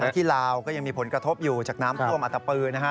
ที่ลาวก็ยังมีผลกระทบอยู่จากน้ำท่วมอัตปือนะฮะ